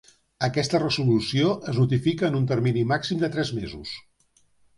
Aquesta resolució es notifica en un termini màxim de tres mesos.